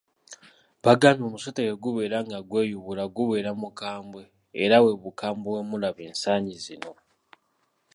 Bagambye omusota bwe gubeera nga gweyubula gubeera mukambwe era bwe bukambwe bwe mulaba ensangi zino.